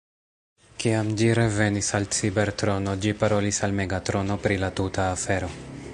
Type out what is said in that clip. Kiam ĝi revenis al Cibertrono, ĝi parolis al Megatrono pri la tuta afero.